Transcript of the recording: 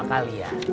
itu daftar listnya